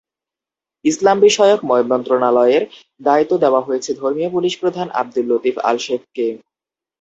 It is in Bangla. ইসলামবিষয়ক মন্ত্রণালয়ের দায়িত্ব দেওয়া হয়েছে ধর্মীয় পুলিশ প্রধান আবদুল আতিফ আল শেখকে।